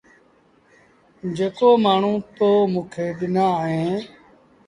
جيڪو مآڻهوٚٚ تو موٚنٚ کي ڏنآ اهينٚ